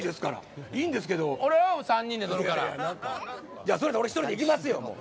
じゃあ、それやったら俺１人で行きますよ、もう。